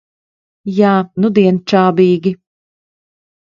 Jā, nudien čābīgi.